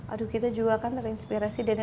aduh kita juga kan terinspirasi dari